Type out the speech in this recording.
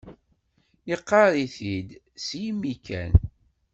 Yeqqar-it-id s yimi kan